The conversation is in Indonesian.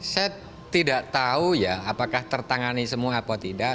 saya tidak tahu ya apakah tertangani semua apa tidak